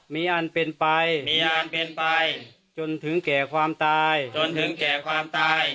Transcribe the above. มีอันเป็นไปมีอันเป็นไปจนถึงแก่ความตายจนถึงแก่ความตาย